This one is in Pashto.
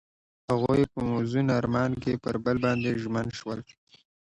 هغوی په موزون آرمان کې پر بل باندې ژمن شول.